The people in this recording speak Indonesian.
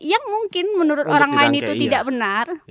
yang mungkin menurut orang lain itu tidak benar